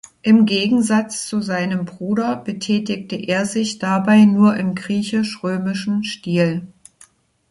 Im Gegensatz zu seinem Bruder betätigte er sich dabei nur im griechisch-römischen Stil.